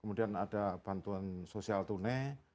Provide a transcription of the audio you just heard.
kemudian ada bantuan sosial tunai